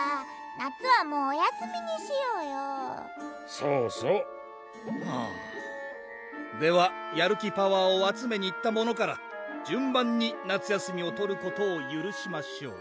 夏はもうお休みにしようよそうそうはぁではやる気パワーを集めに行った者から順番に夏休みを取ることをゆるしましょう